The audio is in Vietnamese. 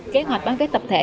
kế hoạch bán vé tập thể